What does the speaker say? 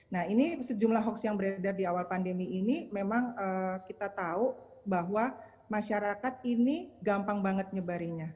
nah ini sejumlah hoax yang beredar di awal pandemi ini memang kita tahu bahwa masyarakat ini gampang banget nyebarinya